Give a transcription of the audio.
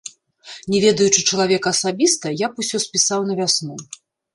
Не ведаючы чалавека асабіста, я б усё спісаў на вясну.